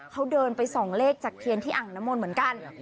เขาเดินไปส่องเลขจากเทียนที่อ่างน้ำมนต์เหมือนกัน